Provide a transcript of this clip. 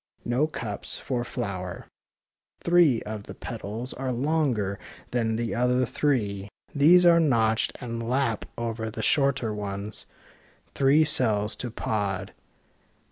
No cups for flower— three of the petals are longer than the other three. These are notched and lap over the shorter ones. Three cells to pod.